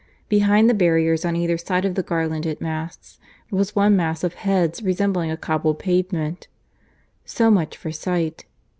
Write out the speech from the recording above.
Behind the barriers on either side of the garlanded masts was one mass of heads resembling a cobbled pavement. So much for sight.